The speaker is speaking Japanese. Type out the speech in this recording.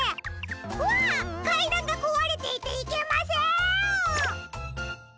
わっかいだんがこわれていていけません！